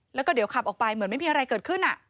แล้วก็เดี๋ยวขับออกไปเหมือนไม่มีอะไรเกิดขึ้น